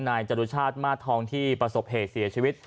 จรุชาติมาสทองที่ประสบเหตุเสียชีวิต